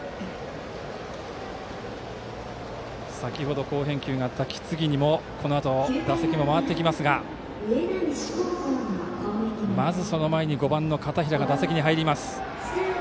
先程、好返球があった木次にもこのあと打席が回ってきますがまず、その前に５番の片平が打席に入ります。